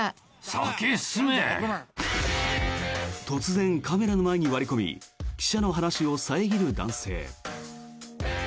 突然、カメラの前に割り込み記者の話を遮る男性。